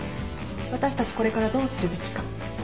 私たちこれからどうするべきか。